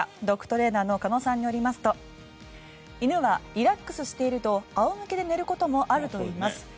ドッグトレーナーの鹿野さんによりますと犬はリラックスしていると仰向けで寝ることもあるといいます。